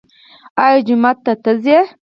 ایا جومات ته ځئ؟